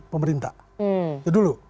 pemerintah ya dulu